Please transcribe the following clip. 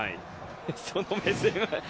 その目線は。